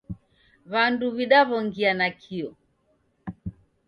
W'andu w'idaw'ongia nakio